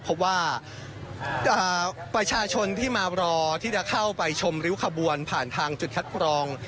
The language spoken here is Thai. เพราะว่าประชาชนที่มารอที่จะเข้าไปชมริ้วขบวนผ่านทางจุดคัดกรอง